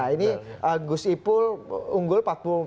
ini gus ipul unggul